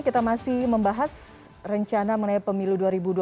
kita masih membahas rencana mengenai pemilu dua ribu dua puluh